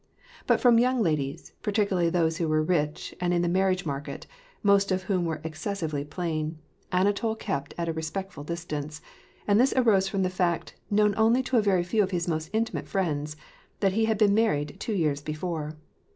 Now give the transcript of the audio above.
But from young ladies, particularly those who were rich and in the marriage market, — most of whom were excessively plain, — Anatol kept at a respectful distance, and this arose from the fact, known only to a very few of his most intimate friends, that he had been married two years before.